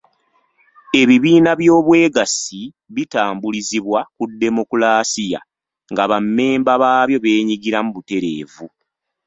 Ebibiina by’Obwegassi bitambulizibwa ku demokulaasiya, nga bammemba baabyo beenyigira butereevu.